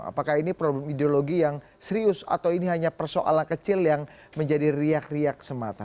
apakah ini problem ideologi yang serius atau ini hanya persoalan kecil yang menjadi riak riak semata